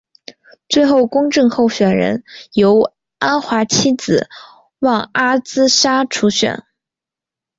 最后公正党候选人由安华妻子旺阿兹莎出选。